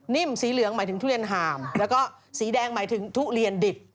สีเหลืองหมายถึงทุเรียนห่ามแล้วก็สีแดงหมายถึงทุเรียนดิบ